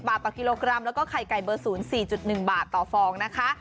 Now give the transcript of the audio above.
บาทต่อกิโลกรัมแล้วก็ไข่ไก่เบอร์๐๔๑บาทต่อฟองนะคะ